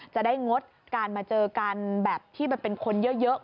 งดการมาเจอกันแบบที่เป็นคนเยอะ